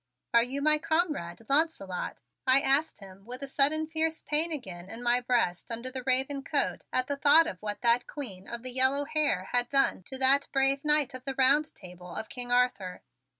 "Are you my comrade Launcelot?" I asked him with a sudden fierce pain again in my breast under the raven coat at the thought of what that Queen of the yellow hair had done to that brave Knight of the Round Table of King Arthur.